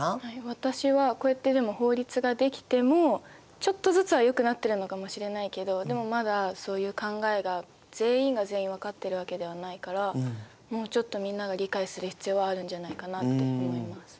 私はこうやってでも法律が出来てもちょっとずつはよくなってるのかもしれないけどでもまだそういう考えが全員が全員分かってるわけではないからもうちょっとみんなが理解する必要はあるんじゃないかなって思います。